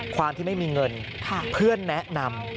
ความที่ไม่มีเงินเพื่อนแนะนำ